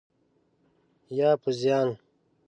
یا په زیان؟